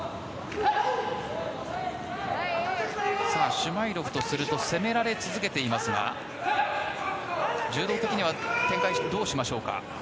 シュマイロフとすると攻められ続けていますが柔道的には展開どうしましょうか。